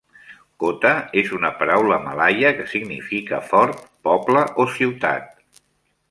"Kota" és una paraula malaia que significa "fort", "poble" o "ciutat".